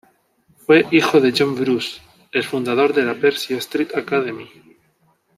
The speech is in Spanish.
Fue hijo de John Bruce, el fundador de la "Percy Street Academy".